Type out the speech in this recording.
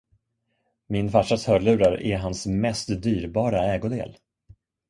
Min farsas hörlurar är hans mest dyrbara ägodel.